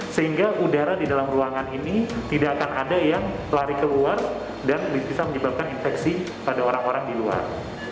sehingga udara di dalam ruangan ini tidak akan ada yang lari keluar dan bisa menyebabkan infeksi pada orang orang di luar